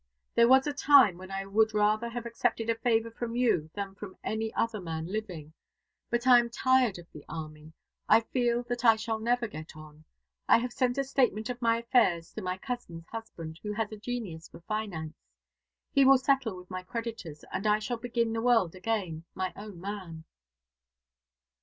There was a time when I would rather have accepted a favour from you than from any other man living. But I am tired of the army. I feel that I shall never get on. I have sent a statement of my affairs to my cousin's husband, who has a genius for finance. He will settle with my creditors, and I shall begin the world again, my own man."